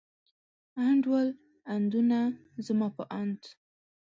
انډول، اندونه، زما په اند.